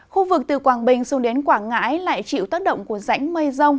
khu vực từ quảng bình xuống đến quảng ngãi lại chịu tác động của rãnh mây rông